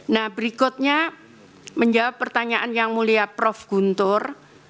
nah berikutnya menjawab pertanyaan yang mulia prof guntur